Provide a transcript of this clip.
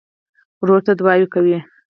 ورور ته دعاوې کوې.